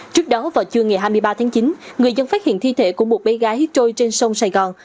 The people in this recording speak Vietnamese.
trước đó vào trưa ngày hai mươi ba tháng chín người dân phát hiện thi thể của một bé gái trôi trên sông sài gòn